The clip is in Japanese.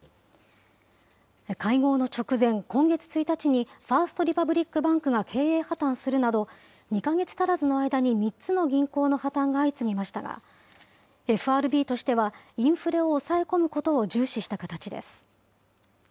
会合の直前、今月１日に、ファースト・リパブリック・バンクが経営破綻するなど、２か月足らずの間に３つの銀行の破綻が相次ぎましたが、ＦＲＢとしてはインフレを抑え込むことを重視した形です。